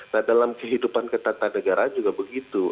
nah dalam kehidupan ketata negara juga begitu